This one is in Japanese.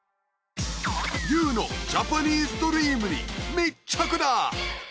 ＹＯＵのジャパニーズドリームに密着だ